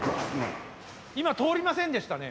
今通りませんでしたね。